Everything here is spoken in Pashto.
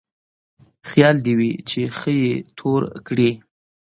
خيال دې وي چې ښه يې تور کړې.